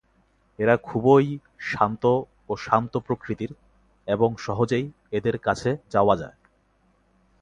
এরা খুবই শান্ত ও শান্ত প্রকৃতির এবং সহজেই এদের কাছে যাওয়া যায়।